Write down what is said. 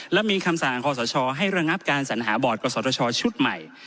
และมีคำสั่งคอสชให้ระงับการสัญหาบอร์ดกศชชุดใหม่